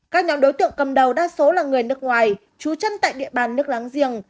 các nhóm đối tượng cầm đầu đa số là người nước ngoài chú chân tại địa bàn nước láng giềng